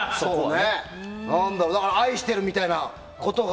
だから愛しているみたいなことが。